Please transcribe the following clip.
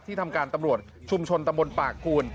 ที่ทำการตำรวจชุมชนตำบลปากคุณ